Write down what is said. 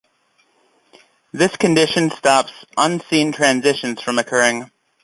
This condition stops unseen transitions from occurring.